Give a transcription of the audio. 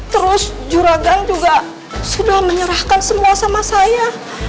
terus juragan juga sudah menyerahkan semua sama saya